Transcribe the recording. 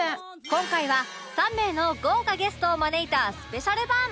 今回は３名の豪華ゲストを招いたスペシャル版！